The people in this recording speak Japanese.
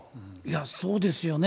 そうですよね。